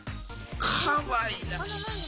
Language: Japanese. かわいらしい！